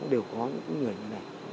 đều có những người như thế này